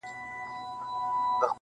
دغه تیارې غواړي د سپینو څراغونو کیسې,